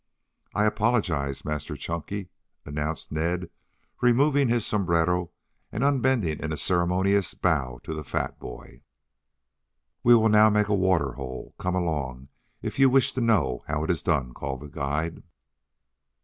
"I apologize, Master Chunky," announced Ned, removing his sombrero and unbending in a ceremonious bow to the fat boy. "We will now make a water hole. Come along if you wish to know how it is done," called the guide.